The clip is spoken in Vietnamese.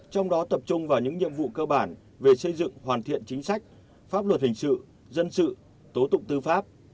trong đó tập trung vào những nhiệm vụ cơ bản về xây dựng hoàn thiện chính sách pháp luật hình sự dân sự tố tụng tư pháp